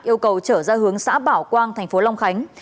yêu cầu trở ra hướng xã bảo quang tp long khánh